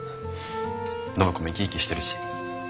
暢子も生き生きしてるし。